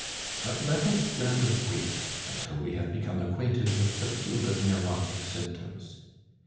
But let us rather wait until we have become acquainted with the field of neurotic symptoms.